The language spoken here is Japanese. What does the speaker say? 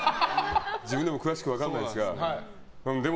自分でも詳しくは分からないですがで